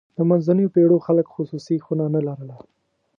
د منځنیو پېړیو خلک خصوصي خونه نه لرله.